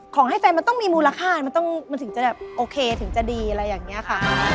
ให้แฟนมันต้องมีมูลค่ามันถึงจะแบบโอเคถึงจะดีอะไรอย่างนี้ค่ะ